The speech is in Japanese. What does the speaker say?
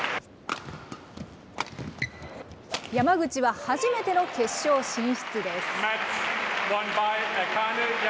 山口は初めての決勝進出です。